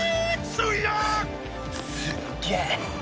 すっげえ！